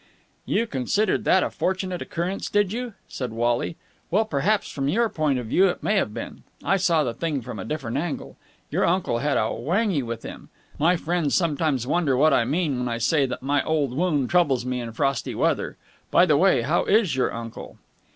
"You considered that a fortunate occurrence, did you?" said Wally. "Well, perhaps from your point of view it may have been. I saw the thing from a different angle. Your uncle had a whangee with him. My friends sometimes wonder what I mean when I say that my old wound troubles me in frosty weather. By the way, how is your uncle?"